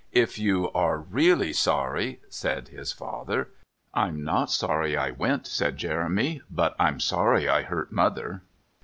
"If you are really sorry " said his father. "I'm not sorry I went," said Jeremy, "but I'm sorry I hurt Mother."